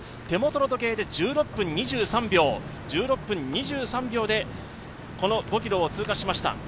手元の時計で１６分２３秒でこの５ｋｍを通過しました。